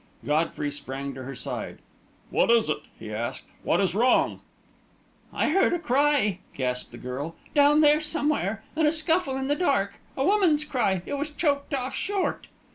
Godfrey sprang to her side. "What is it?" he asked. "What is wrong?" "I heard a cry," gasped the girl. "Down here somewhere. And a scuffle in the dark. A woman's cry. It was choked off short."